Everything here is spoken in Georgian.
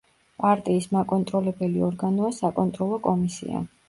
პარტიის მაკონტროლებელი ორგანოა საკონტროლო კომისია.